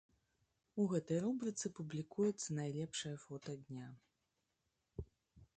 У гэтай рубрыцы публікуецца найлепшае фота дня.